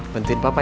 bantuin papa ya